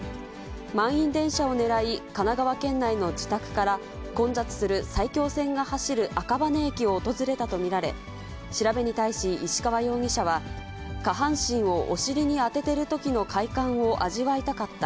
満員電車を狙い、神奈川県内の自宅から、混雑する埼京線が走る赤羽駅を訪れたと見られ、調べに対し、石川容疑者は、下半身をお尻に当ててるときの快感を味わいたかった。